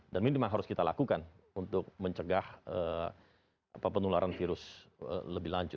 dan ini memang harus kita lakukan untuk mencegah penularan virus lebih lanjut